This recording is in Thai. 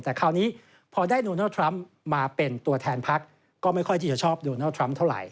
แต่คราวนี้พอได้โดนัลดทรัมป์มาเป็นตัวแทนพักก็ไม่ค่อยที่จะชอบโดนัลดทรัมป์เท่าไห